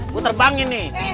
gue terbangin nih